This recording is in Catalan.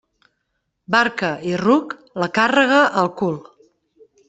Barca i ruc, la càrrega al cul.